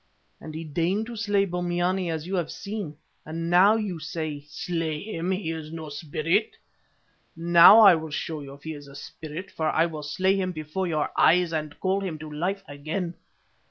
And he deigned to slay Bombyane as you have seen, and now you say, 'Slay him; he is no spirit.' Now I will show you if he is a spirit, for I will slay him before your eyes, and call him to life again.